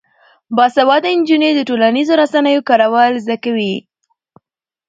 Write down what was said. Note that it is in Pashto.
باسواده نجونې د ټولنیزو رسنیو کارول زده کوي.